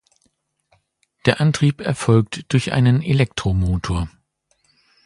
Der Antrieb erfolgt durch einen Elektromotor.